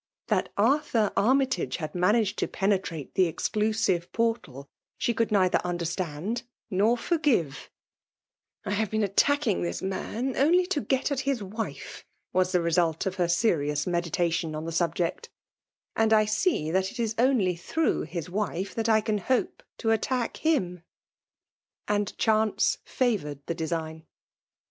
That Arthur Armytage had managed to penetrate the exclusive portal, she could neither understand nor forgive I " I have been attacking this man only to get at his wife," — was the result of her se rious meditations on the subject; —' and I see that it is only through liis wife I can hope to attack Aim." And chance favoured the design.